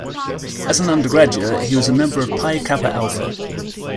As an undergraduate, he was a member of Pi Kappa Alpha.